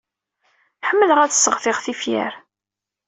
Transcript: Ḥemmleɣ ad sseɣtiɣ tifyar.